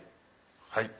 はい。